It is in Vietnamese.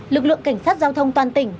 lực lượng cảnh sát giao thông toàn tỉnh